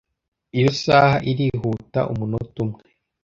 iyo saha irihuta umunota umwe